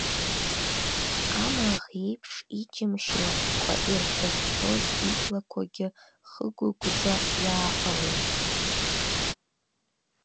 Амаӷ еиԥш иџьымшь лаҟәқәа ирҭыҳәҳәоз иблақәагьы хыгәыгәӡа иааҟалеит.